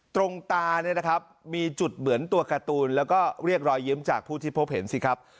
ตรงตาเนี่ยนะครับมีจุดเหมือนตัวการ์ตูนแล้วก็เรียกรอยยิ้มจากผู้ที่พบเห็นสิครับ